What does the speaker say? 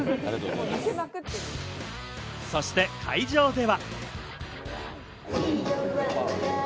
そして会場では。